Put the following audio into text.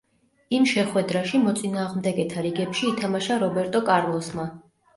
იმ შეხვედრაში, მოწინააღმდეგეთა რიგებში ითამაშა რობერტო კარლოსმა.